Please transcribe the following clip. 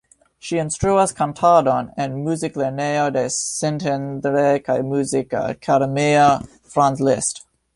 Ŝi instruas kantadon en muziklernejo de Szentendre kaj Muzikakademio Franz Liszt.